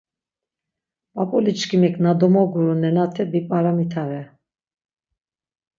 P̌ap̌uliçkimik na domoguru nenate bip̌aramitare!